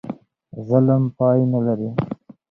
ظلم پای نه لري.